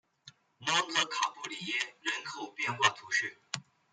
蒙特卡布里耶人口变化图示